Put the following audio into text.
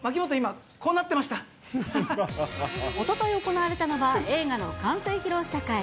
今、こうなっおととい行われたのは、映画の完成披露試写会。